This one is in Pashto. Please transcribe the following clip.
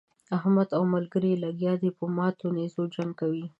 احمد او ملګري يې لګيا دي په ماتو نېزو جنګ کوي.